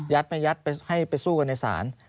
ไม่ยัดให้ไปสู้กันในศาล